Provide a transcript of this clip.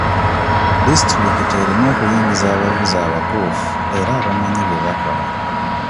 Disitulikiti erina okuyingiza abavuzi abatuufu era abamanyi bye bakola.